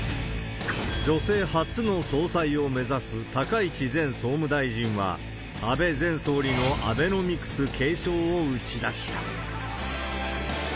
女性初の総裁を目指す高市前総務大臣は、安倍前総理のアベノミクス継承を打ち出した。